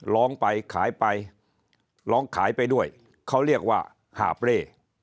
ร้องไปขายไปร้องขายไปด้วยเขาเรียกว่าหาบเร่